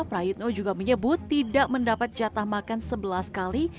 prayitno juga menyebut tidak mendapat jatah makan sebelas kali